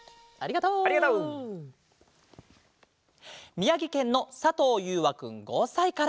みやぎけんのさとうゆうわくん５さいから。